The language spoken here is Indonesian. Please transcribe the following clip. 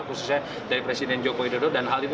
khususnya dari presiden joko widodo dan hal ini